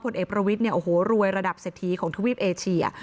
พลเอกประวิทธิ์รวยระดับเศรษฐีของทวีปเอเชีย